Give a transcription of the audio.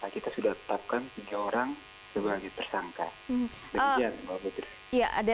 kita sudah tetapkan tiga orang sebagai tersangka